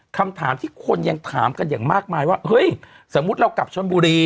คำถามที่คนยังถามกันอย่างมากมายว่าเฮ้ยสมมุติเรากลับชนบุรี